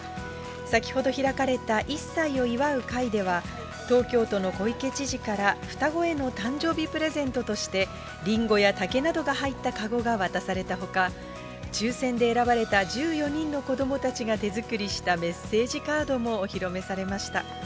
先ほど開かれた１歳を祝う会では、東京都の小池知事から、双子への誕生日プレゼントとして、りんごや竹などが入った籠が渡されたほか、抽せんで選ばれた１４人の子どもたちが手作りしたメッセージカードもお披露目されました。